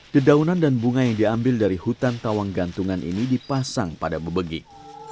dedaunan dan bunga yang diambil dari hutan tawang gantungan ini dipasang pada bebegik